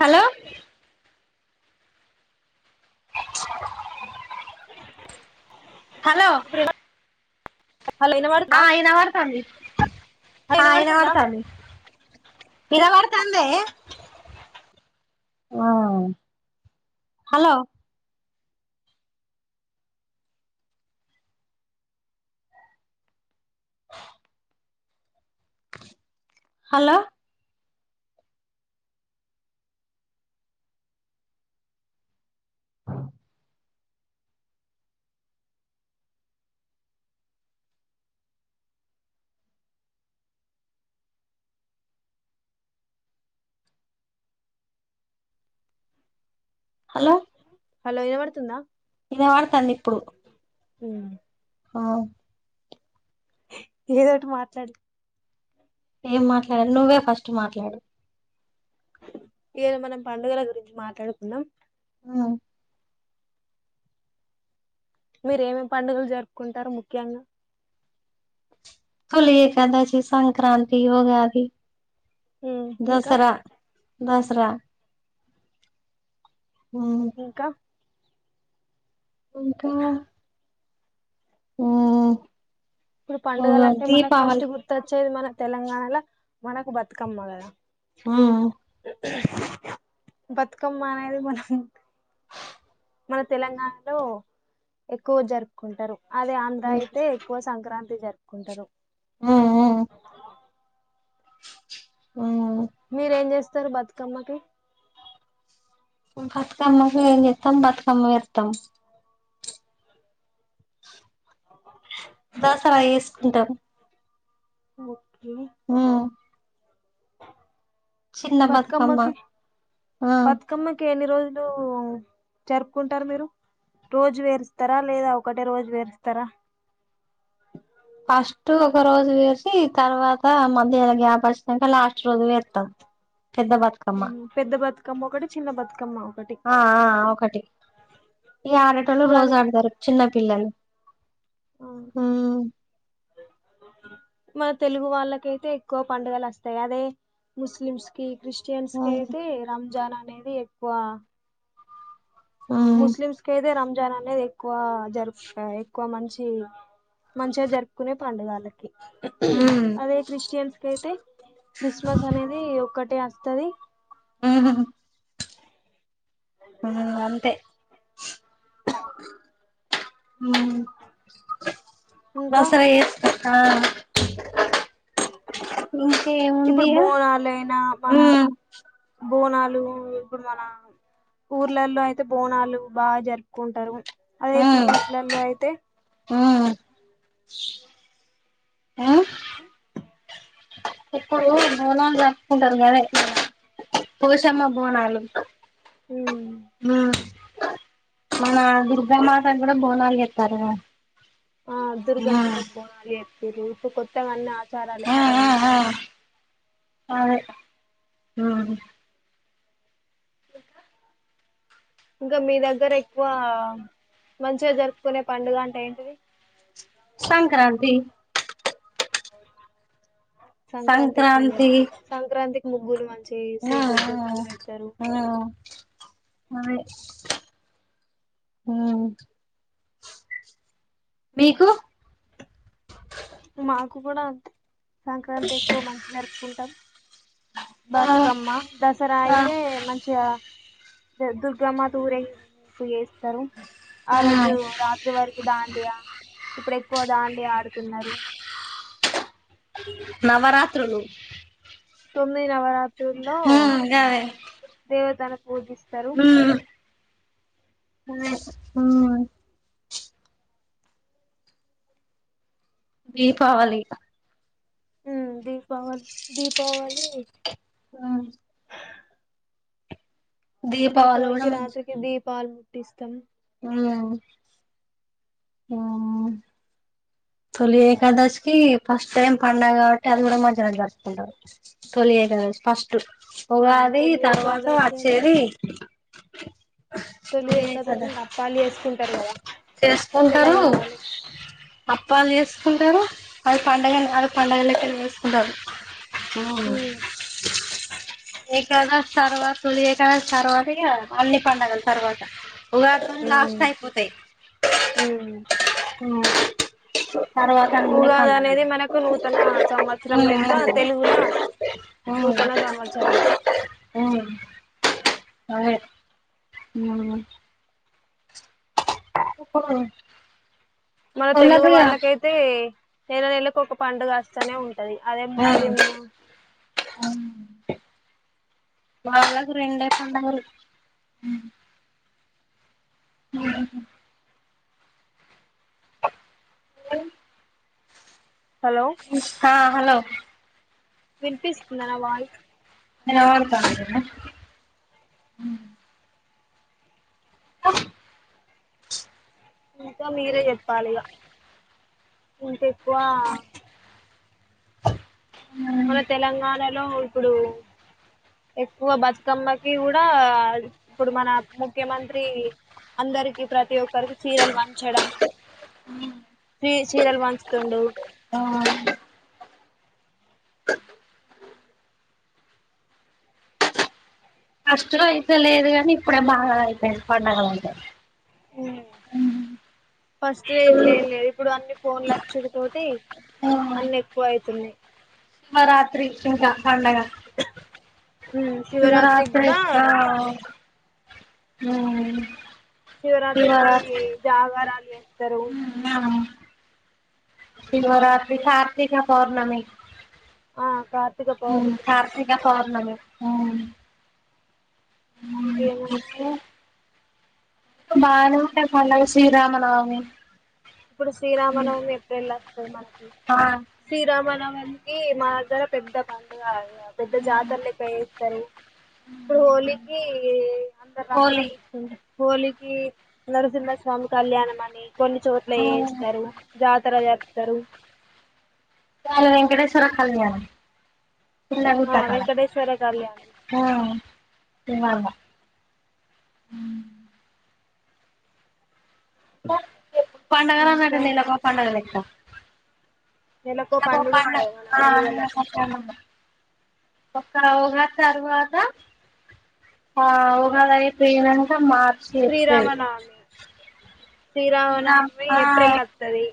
Hello hello hello ఆ వినబడుతుందా ఇనవడ్తంంది. ఆ వినబడుతుందా ఇనవడ్తాంది. ఇనవడ్ తందే హలో హలో హలో హలో ఇనవడుతుందా. ఇనవడుతంద్ ఇప్పుడు ఆహ్ ఏదోటి మాట్లాడు ఏం మాట్లాడాలి నువ్వే ఫస్ట్ మాట్లాడు. ఏయల మనం పండుగల గురించి మాట్లాడుకుందాం. ఆహ్ మీర ఏమేమి పండుగలు జరుపుకుంటారు ముఖ్యంగా. తులి ఏకదాసి, సంక్రాంతి, ఉగాది. ఇంకా దసరా దసరా ఉహ్ ఇంకా ఇంకా ఉహ్ ఇప్పుడు పండుగల అంటే మనకు ఫస్ట్ గుర్తొచ్చేది. మనక్ తెలంగాణల మనకు బతుకమ్మకదా ఉహ్ బతుకమ్మ అనేది మనం మన తెలంగాణలో ఎక్కువ జరుపుకుంటారు. అదే అంద ఉమ్ అయితే ఎక్కువ స్ సంక్రాంతి జరుపుకుంటారు. ఆహ్ ఆ ఉమ్ మీరేం చేస్త స్తరు బతుకమ్మకి బతుకమ్మకు ఏం చేస్తాం బతుకమ్మ వస్తాం అ దసరా వేసుకుంటాం ఓ ఇ చిన్న [inaudible] బతుకమ్మ బతుకమ్మకి ఆ బతుకమ్మ కేనే రోజులు జరుపుకుంటారు మీరు రోజు వేరుస్తారా లేదా ఒకటే రోజు వేరుస్తారా ఫస్ట్ ఒక రోజు వేసి తర్వాత మధ్యలో గ్యాప్ వచ్చినాక లాస్ట్ రోజు వేస్తాం పెద్ద బతుకమ్మ పెద్ద పత బమ్మక్కడ చిన్న బతుకమ్మ ఒకటి ఆ ఒకటి ఈ ఆడటంలో రోజు ఉగాది ఆడతారు చిన్న పిల్లలు ఆ ఉమ్ మన తెలుగు వాళ్ళకైతే ఎక్కువ పండుగలు వస్తాయి అదే ముస్లిమ్స్ కి క్రిస్టియన్స్ కి ఉమ్ అయితే రంజాన్ నది ఎక్కువ ఉమ్ ముస్లిమ్స్ కద రజ జనానే ఎక్కువ జరుపు ఎక్కువ మనిషి ఇ మంచిగా జరుపుకునే పండుగలకి అదే క్రిస్టియన్స్ క అయితే క్రిస్మస్ అనేది ఒక్కటే తది ఆ ఉ అంతే ఓే అ ఇంకా దసరా ఎస్ ఆ ఇంకేముంది ఇప్పుడు ఇగ బోనాలు అయినా మన ఉమ్ బోనాలు ఇప్పుడు మన ఊర్లలో అయితే బోనాలు బాగా జరుపుకుంటారు అదే సిటీస్ల అయితే హు ఇప్పుడు బోనాలు జరుపుకుంటారు కదా పోషమ్మ బోనాలు ఉమ్ హు మన దుర్గమాతకు కూడా బోనాలు చేస్తాండ్రు గా ఆ దుర్గ మాతకి బోనాలు చేస్తాండ్రు ఈ రోటుకి కొత్త అన్న చరా లే ఆ పోయి ఆ అదే ఇంకా మీ దగ్గర ఎక్కువ మంచిగా జరుపుకునే పండుగ అంటే ఏంటిది సంక్రాంతి సంక్రాంతి ఎక్కువ జరుపుకుంటాం సంక్రాంతి ముగ్గులు ఆ చేసి గొబ్బెమ్మలు పెడతారు ఆ ఆ మీకు మా కుపణంత సంక్రాంతి ఎక్కువ మంచి జరుపుకుంటాం ఆ బతుకమ్మ దసరా అయితే మంచిగా ద దుర్గా మాతా ఊరేగింపు చెస్ ఆ రోజు రాత్రి వరకి దాండియా ఇప్పుడు ఎక్కువ దాండియా ఆడుతుండ్రు న్నారు నవరాత్రులు తొమ్మిది నవరాత్రులు లో గవే దేవత స పుదీస్తారు ఆ దీపావళి దీపావళి దీపావళి ఆ దీపావళి కూడా దీపావళకి రాత్రకి దీపాలు ముట్టిస్తాం హు ఉ తొలి ఏకాదశికి ఫస్ట్ టైం పండాగా కాబట్టి అది కూడా మంచిగా జరుపుకుంటమ్ తొలి ఏకాదశి ఫస్ట్ ఆ ఉగాది తొలి తర్వాత ఏకాదశి అంటే వచ్చేది తొలి ఏకాదశి కి అప్పాలు చేసుకుంటారు గదా తెలంగాణలో అప్పలు చేసుకుంటారు అది పండుగ అని గాదు పండుగ లెక్కనే చేసుకుంటారు పోను ఉమ్, ఏకాదశి తర్వాత తొలి ఏకాదశి తర్వాత ఇగ అన్ని పండగలు తర్వాత ఉగాది తోని ఉమ్, లాస్ట్ అయిపోతాయి ఉమ్. హ ఉగాది అనేది మనకు నూతన సంవత్సరం ఉమ్ లెక్క తెలుగుల ఉమ్ నూతన సంవత్సరం ఉమ్ అదే మునుగన్ [unintelligible] మన తెలుగుకు వాళ్ళకిగా వాళ్ళకైతే నెల నెల కి ఒక పండుగ వస్తానే ఉన్ టది అదే ముస్లిమ్ వాళ్లకు రెండే పండుగలు మూడ ఉండని హలో ఉన్ స్తా హలో వినిపిస్తుందా నా వాయి నిలవడుతంది నేను ఆహా ఇంకా మీరే చెప్పాలి ఇగ ఇంకెక్కువ మన తెలంగాణలో ఇప్పుడు పువ్వా బతుకమ్మకి గుడా ఇప్పుడు మన ముఖ్యమంత్రి అందరికి ప్రతి ఒక్కరికి చీరలు వంచడం చీ చీరలు వంచుతుండు ఆ కష్టం అయితే లేదు గాని ఇప్పుడే బాగా అయిపోంది పండగలంతా ఉ ఫస్ట్ డే ఇట్లా ఏం లేదు ఇప్పుడు అన్నిప్ ఫోన్ల అచ్చులు తోటి అన్ని ఎక్కువ అయితున్నాయి మా రాత్రి ఇంకా దండగా చివరు ఆఫ్ శివరాత్రికి కూడా చేసిన న శివరాత్రి కి జగారలు ఉ మ్యాను శివరాత్రి కార్తిక పౌర్ణమి ఆ కార్తీక పౌర్ణమి సార్ల మీ ఆ ఉ ఇంకేమన్నా కిత్తే బానె ఉంటది పండగ శ్రీరామనమి. ఇప్పుడు శ్రీరామనవమి ఏప్రిల్ల వస్తది మనకి. ఆ శ్రీరామనవమ్ వమికి మా దగ్గర పెద్ద పండుగ అది. పెద్ద జాతర లెక్క చేస్తరు, ఇప్పుడు హోలీకి అందర్ రంగులు హోలీ పూసుకుంటర్ హోలీకి నరసింహస్వామి కళ్యాణం అని, కొన్ని చోట్ ట్ల చేస్తరు, జాతర జర్పుతరు. ట వెంకటేశ్వర కళ్యాణం. తెల్ల గుట్ట ఆ కాడ, వెంకటేశ్వర కళ్యాణం ఆ [unintelligible] ఉమ్ పండగలన్నంక ఇంకా నెలకో పండగ లెక్క. నెలకో అదొ పండుగ పండగ, ఉంటది మన ఆ తెలుగోళ్ళకు [unintelligible] అక్కడ ఉగాది తర్వాత, ఆ ఉగాది అయిపోయినంక మా శ్రీరామనవమి. శ్రీరామ్ శ్రీరామనవమి ఆ ఏప్రిళ్ల అత్తది.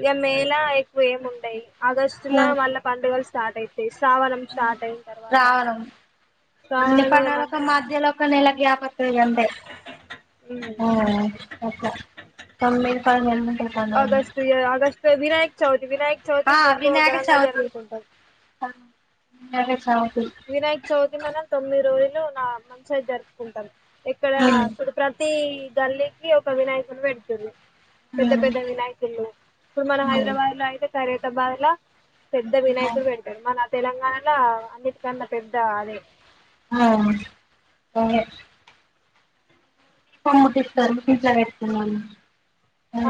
ఇగ మే ల, ఎక్కువ ఏం ఉండయ్. ఆగస్టులా మళ్ళ పండుగలు స్ స్టార్ట్ అయిత్ రావడం, అన్ని శ్రావణం ఇగ మంచి పండగలకు మధ్యలోక నెల గ్యాపొత్తది గంతే, ఆ. అట్ల, తొమ్మిది పది మంది ఆగస్ట్ ఇగ ఆగస్ తె వినాయక చౌ ఇ వినాయక చవితి ఆ ఇంక ఎక్కువ వినాయక ఘనంగా జరుపుకుంటాం. అదే, సం వినాయక చౌతి మనం తొమ్మిది రోజుల్ నా మంచిగ జరుపుకుంటం. ఇక్కడా, ఉమ్ ఇప్పుడు ప్రతి ఇ గల్లికి ఒక వినాయకుడిని పెదుతుర్రు. పెద్ద పెద్ద ఉమ్ వినాయకుళ్ళు, ఇప్పుడు మన హైదరాబాద్ ల అయితే ఖైరతాబాద్ ల పెద్ద వినాయకుడు పెడతడు, మా న తెలంగాణల అన్ని ప్ కన్న పెద్ద అదే ఆ సమ్ముటిస్తారు ఇంట్లా పెడుతున్నా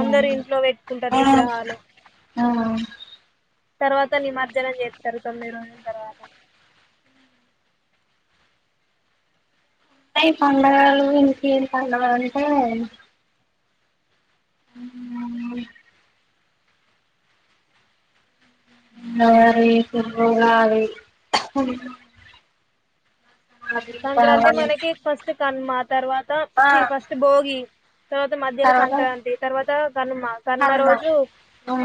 అందరుూ ఇంట్లో పెట్టుకుంటారు విగ్రహాలు ఆ తర్వాత నిమజ్జనం చేస్తారు తొమ్మిది రోజుల తర్వాత అ ఈ పడుగలు ఇక ఏం పంండగ అంటే మరి కురుగావి సంక్రాంతి మనకి ఫస్ట్ కన్మ తర్వాత ఆ ఫస్ట్ భోగి తర్వాత మధ్యలో తర్వాత సంక్రాంతి తర్వాత నుమ గన్మ హనుమ రోజు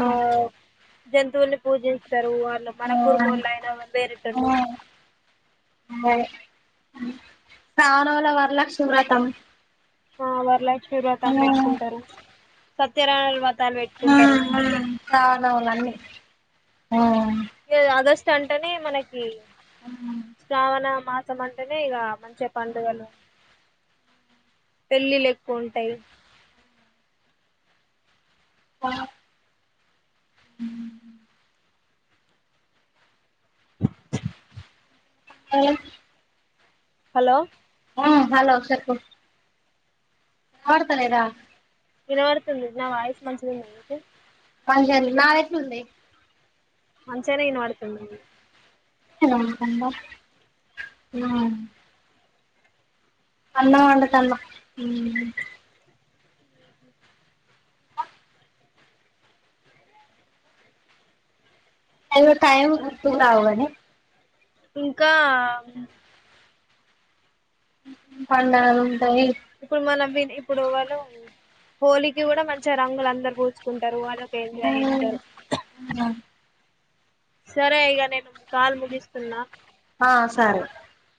ఆ జతువులు పూజిస్తారు వాళ్ళు ఆ మన కుర్మ వాళ్ళ అయిన వా ఆ వేరేటు రానల వర్ల సూరతం ఆ వర్తే శీర్వ్రతం పెట్టుకుంటారు సత్యారయణ వ్రతాలు ఆ పెట్టుకుంటారు ఆ అన్ని కావాలవలన్నీ ఆ అంటనే మనకి శవణ మాసం అంటేనే ఇక మంచిగా పండుగలు పెళ్ళిళ్ళ ఎక్కువ ఉంటాయి ఆ అ అ హలో హలో చెకు వాతారదా మంచిలి ఉతే అ నా ఎతులు ఉంది మంచిసర ఇను వాడుతుంను [unintelligible] అమ్న్న వంటత అమ్న్న అవ టైమ్ తల అవగానే ఇంకా పళ ఇప్పుడు మనం ఇప్పుడు వాళ్ళు హోలీకి కూడా మంచిగా రంగులు అందరుూ పూసుుకుంటారు వా అ సరే ఇగ నేను కాల్ ముగిస్తున్నా ఆ సరే